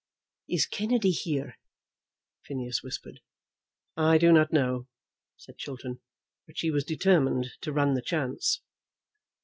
"Is Kennedy here?" Phineas whispered. "I do not know," said Chiltern, "but she was determined to run the chance."